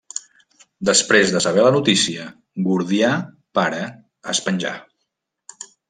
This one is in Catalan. Després de saber la notícia, Gordià pare es penjà.